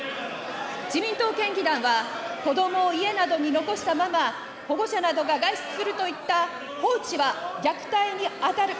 自民党県議団は、子どもを家などに残したまま、保護者などが外出するといった放置は虐待に当たる。